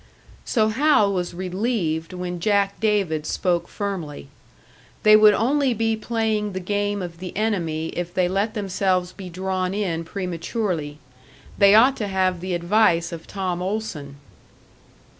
So Hal was relieved when Jack David spoke firmly. They would only be playing the game of the enemy if they let themselves be drawn in prematurely. They ought to have the advice of Tom Olson.